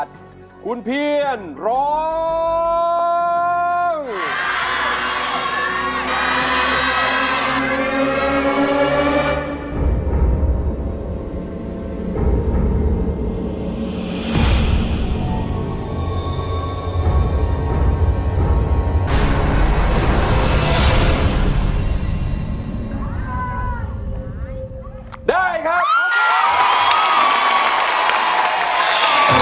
ร้องได้ร้องได้ร้องได้ร้องได้